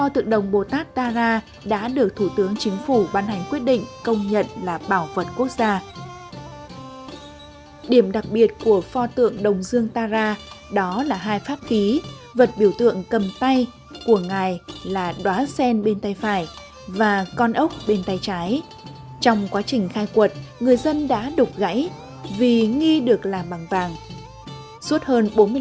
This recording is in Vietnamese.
tượng bồ tát tara được chiêm ngưỡng phiên bản tỷ lệ một một của bức tượng này trưng bày tại không gian giới thiệu về phong cách đồng dương thế kỷ thứ chín